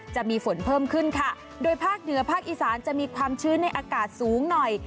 จะมีฝนเพิ่มขึ้นค่ะโดยภาคเหนือภาคอีสานจะมีความชื้นในอากาศสูงหน่อย